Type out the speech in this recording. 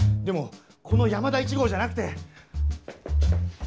でもこの「山田１号」じゃなくて。